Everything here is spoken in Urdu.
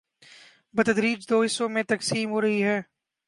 ، بتدریج دو حصوں میں تقسیم ہورہی ہی۔